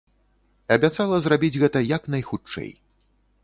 Абяцала зрабіць гэта як найхутчэй.